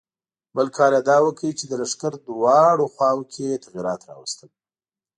بل کار یې دا وکړ چې د لښکر دواړو خواوو کې یې تغیرات راوستل.